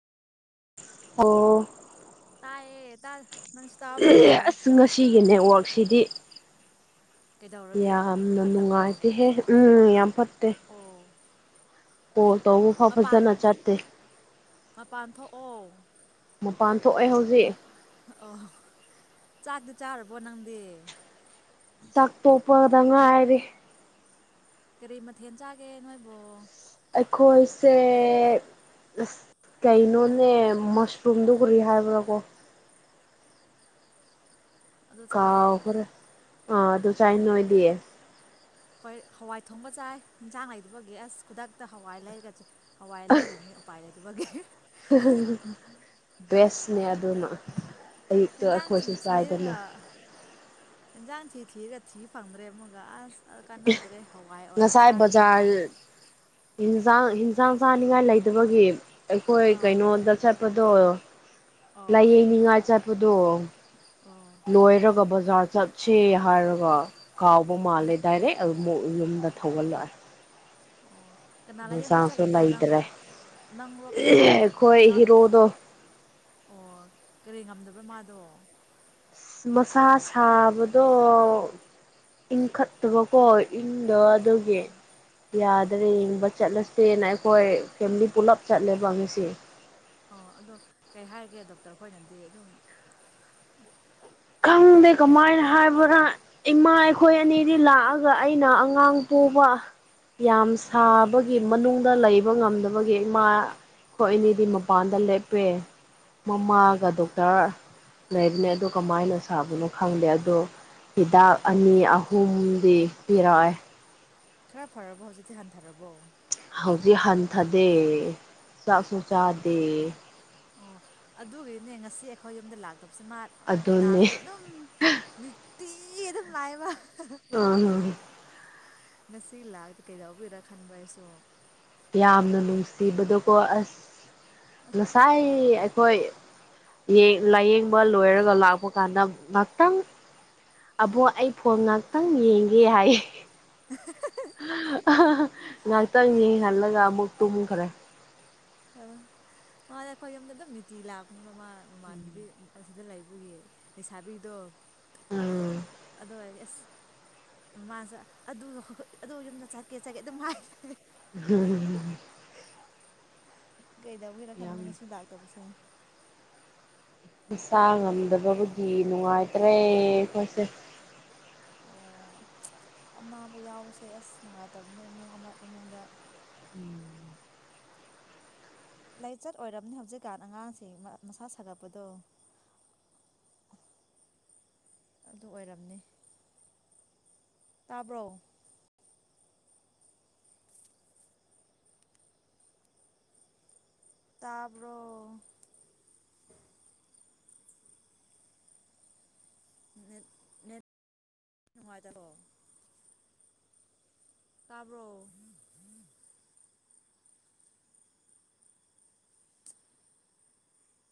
INAUDIBLE ꯇꯥꯏꯌꯦ ꯇꯜ ꯏꯍꯤꯋꯦ ꯑꯥꯁ ꯉꯁꯤꯒꯤ ꯅꯦꯠꯋꯥꯛꯁꯤꯗꯤ ꯀꯩꯗꯧꯔꯒꯦ ꯌꯥꯝꯅ ꯐꯠꯇꯕ꯭ꯔꯣ ꯅꯨꯡꯉꯥꯏꯇꯦꯍꯦ ꯎꯝ ꯌꯥꯝ ꯐꯠꯇꯦ ꯑꯣ ꯐꯣꯟ ꯇꯧꯕꯐꯥꯎ ꯃꯄꯥꯟ ꯐꯖꯅ ꯆꯠꯇꯦ ꯃꯄꯥꯟ ꯊꯣꯛꯑꯣ ꯃꯄꯥꯟ ꯊꯣꯛꯑꯦ ꯍꯧꯖꯤꯛ ꯍꯛꯑꯣ ꯆꯥꯛꯇꯤ ꯆꯥꯔꯕꯣ ꯅꯪꯗꯤ ꯆꯥꯛ ꯇꯣꯛꯄꯗ ꯉꯥꯏꯔꯤ ꯀꯔꯤ ꯃꯊꯦꯜ ꯆꯥꯒꯦ ꯅꯣꯏꯕꯣ ꯑꯩꯈꯣꯏꯁꯦꯑ ꯑꯥꯁ ꯀꯩꯅꯣꯅꯦ ꯃꯁꯔꯨꯝꯗꯨ ꯀꯔꯤ ꯍꯥꯏꯕ꯭ꯔꯥ ꯀꯣ ꯑꯗꯨ ꯆꯥꯏꯌꯦ ꯀꯥꯎꯈ꯭ꯔꯦ ꯑꯥ ꯑꯗꯨꯁꯥꯏꯟ ꯑꯣꯏꯗꯤ ꯑꯩꯈꯣꯏ ꯍꯋꯥꯏ ꯊꯣꯡꯕ ꯆꯥꯏ ꯍꯤꯟꯖꯥꯡ ꯂꯩꯇꯕꯒꯤ ꯑꯥꯁ ꯈꯨꯗꯛꯇ ꯍꯋꯥꯏ ꯂꯩꯔꯒ ꯆꯦ ꯍꯋꯥꯏ ꯂꯩꯔꯤꯕ ꯅꯤ ꯎꯄꯥꯏ ꯂꯩꯇꯕꯒꯤ ꯕꯦꯁꯅꯦ ꯑꯗꯨꯅ ꯑꯌꯨꯛꯇ ꯍꯦꯟꯖꯥꯡ ꯊꯤ ꯑꯩꯈꯣꯏꯁꯨ ꯆꯥꯏꯗꯅ ꯊꯤꯔꯒ ꯍꯦꯟꯖꯥꯡ ꯊꯤ ꯊꯤꯔꯒ ꯊꯤ ꯐꯪꯗ꯭ꯔꯦ ꯑꯃꯒ ꯑꯥꯁ ꯀꯥꯟꯅꯗ꯭ꯔꯦ ꯍꯋꯥꯏ ꯑꯣꯏ ꯆꯥꯒꯅꯤ ꯍꯋꯥꯏ ꯏꯟꯖꯥꯡ ꯍꯦꯟꯖꯥꯡ ꯆꯥꯅꯤꯡꯉꯥꯏ ꯂꯩꯇꯕꯒꯤ ꯑꯩꯈꯣꯏ ꯑꯥ ꯀꯩꯅꯣꯗ ꯆꯠ ꯆꯠꯄꯗꯣ ꯂꯥꯏꯌꯦꯡꯅꯤꯡꯉꯥꯏ ꯆꯠꯄꯗꯣ INAUDIBLE ꯂꯣꯏꯔꯒ ꯕꯖꯥꯔ ꯆꯠꯁꯦ ꯍꯥꯏꯔꯒ ꯀꯥꯎꯕ ꯃꯥꯜꯂꯦ ꯗꯥꯏꯔꯦꯛ ꯑꯃꯨꯛ ꯌꯨꯝꯗ ꯊꯧꯒꯜꯂꯛꯑꯦ ꯑꯣ ꯀꯅꯥ ꯂꯥꯏꯌꯦꯡꯕ ꯌꯦꯟꯁꯥꯡꯁꯨ ꯆꯠꯂꯤꯅꯣ ꯅꯪ ꯂꯩꯇ꯭ꯔꯦ ꯅꯪꯔꯣ ꯀꯅꯥꯔꯣ ꯑꯩꯈꯣꯏ ꯅꯥ ꯍꯤꯔꯣꯗꯣ ꯑꯣ ꯀꯔꯤ ꯉꯝꯗꯕ꯭ꯔꯥ ꯃꯥꯗꯣ ꯏꯁ ꯃꯁꯥ ꯁꯥꯕꯗꯣ ꯏꯪꯈꯠ ꯇꯕꯀꯣ ꯏꯪꯗꯣ ꯑꯗꯨꯒꯤ ꯑꯣ ꯌꯥꯗ ꯗꯥ ꯌꯦꯡꯕ ꯆꯠꯂꯁꯦꯅ ꯑꯩꯈꯣꯏ ꯐꯦꯃꯤꯂꯤ ꯄꯨꯂꯞ ꯆꯠꯂꯦꯕ ꯉꯁꯤ ꯑꯣ ꯑꯗꯣ ꯀꯩ ꯍꯥꯏꯒꯦ ꯗꯣꯛꯇꯔ ꯈꯣꯏꯅꯗꯤ ꯑꯗꯨꯝ ꯈꯪꯗꯦ ꯀꯃꯥꯏꯅ ꯍꯥꯏꯕ꯭ꯔꯥ ꯏꯃꯥ ꯑꯩꯈꯣꯏ ꯑꯅꯤꯗꯤ ꯂꯥꯛꯑꯒ ꯑꯩꯅ ꯑꯉꯥꯡ ꯄꯣꯕꯥ ꯌꯥꯝ ꯑꯣ ꯁꯥꯕꯒꯤ ꯃꯅꯨꯡ ꯗ ꯂꯩꯕ ꯉꯝꯗꯕꯒꯤ ꯏꯃꯥ ꯑꯈꯣꯏ ꯑꯅꯤꯗꯤ ꯃꯄꯥꯟꯗ ꯂꯦꯞꯄꯦ ꯃꯃꯥꯒ ꯑꯣ ꯗꯣꯛꯇꯔ ꯂꯩꯕꯅꯦ ꯑꯗꯣ ꯀꯃꯥꯏꯅ ꯁꯥꯕꯅꯣ ꯈꯪꯗꯦ ꯑꯗꯣ ꯍꯤꯗꯥꯛ ꯑꯅꯤ ꯑꯍꯨꯝꯗꯤ ꯄꯤꯔꯛꯑꯦ ꯈꯔ ꯐꯔꯕꯣ ꯍꯧꯖꯤꯛꯇꯤ ꯍꯟꯊꯔꯕꯣ ꯍꯧꯖꯤꯛ ꯍꯟꯊꯗꯦ ꯆꯥꯛꯁꯨ ꯆꯥꯗꯦ ꯑꯣ ꯑꯗꯨꯒꯤꯅꯦ ꯉꯁꯤ ꯑꯩꯈꯣꯏ ꯌꯨꯝꯗ ꯂꯥꯛꯇꯕꯁꯤ ꯃꯥ ꯑꯗꯨꯅꯦ ꯅꯥꯗ꯭ꯔꯦ ꯑꯗꯨꯝ ꯅꯨꯠꯇꯤꯒꯤ ꯑꯗꯨꯝ ꯂꯛꯑꯦꯕ [unintelligible] ꯉꯁꯤ ꯂꯥꯛꯏꯗꯣ ꯀꯩꯗꯧꯕꯩꯔꯥ ꯈꯟꯕ ꯑꯩꯁꯨ ꯌꯥꯝꯅ ꯅꯨꯡꯁꯤꯕꯗꯣꯀꯣ ꯑꯁ ꯉꯁꯥꯏ ꯑꯩꯈꯣꯏ [unintelligible] ꯂꯥꯏꯌꯦꯡꯕ ꯂꯣꯏꯔꯒ ꯂꯥꯛꯄ ꯀꯥꯟꯗ ꯉꯥꯛꯇꯪ ꯑꯕꯣꯛ ꯑꯩ ꯐꯣꯟ ꯉꯥꯛꯇꯪ ꯌꯦꯡꯒꯦ ꯍꯥꯏꯌꯦ ꯉꯍꯥꯛꯇꯪ ꯌꯦꯡꯍꯜꯂꯒ ꯑꯃꯨꯛ ꯇꯨꯝꯈꯔꯦ ꯑ ꯃꯥꯗꯤ ꯑꯩꯈꯣꯏ ꯌꯨꯝꯗ ꯑꯗꯨꯝ ꯅꯨꯡꯇꯤꯒꯤ ꯂꯥꯛꯄꯅꯦꯕ ꯃꯥ ꯃꯃꯥꯟꯅꯕꯤ ꯑꯥ ꯁꯤꯗ ꯂꯩꯕꯒꯤ ꯂꯩꯁꯥꯕꯤꯗꯣ ꯎꯝ ꯑꯗꯨ ꯑꯣꯏꯔꯗꯤ ꯑꯁ ꯃꯥꯁꯨ ꯑꯗꯨ ꯑꯗꯨ ꯌꯨꯝꯗ ꯆꯠꯀꯦ ꯆꯠꯀꯦ ꯑꯗꯨꯝ ꯍꯥꯏ ꯂꯩ [inaudible] ꯀꯩꯗꯧꯕꯩꯔ ꯈꯟꯕ ꯌꯥꯝ ꯉꯁꯤ ꯂꯥꯛꯇꯕꯁꯦ ꯏꯁꯥ ꯉꯝꯗꯕꯕꯨꯗꯤ ꯅꯨꯡꯉꯥꯏꯇ꯭ꯔꯦ ꯑꯩꯈꯣꯏꯁꯦ ꯑꯣ ꯑꯅꯥꯕ ꯌꯥꯎꯕꯁꯦ ꯑꯁ ꯅꯨꯡꯉꯥꯏꯇꯕꯅꯦ ꯏꯃꯨꯡ ꯑꯃ ꯏꯃꯨꯡꯗ ꯎꯝ ꯂꯥꯏꯆꯠ ꯑꯣꯏꯔꯝꯅꯤ ꯍꯧꯖꯤꯛꯀꯥꯟ ꯑꯉꯥꯡꯁꯤꯡ ꯃꯁꯥ ꯁꯥꯒꯠꯄꯗꯣ ꯑꯗꯨ ꯑꯣꯏꯔꯝꯅꯤ ꯇꯥꯕ꯭ꯔꯣ ꯇꯥꯕ꯭ꯔꯣ ꯅꯦꯠ ꯅꯦꯠ ꯅꯨꯡꯉꯥꯏꯇꯕ꯭ꯔꯣ ꯇꯥꯕ꯭ꯔꯣ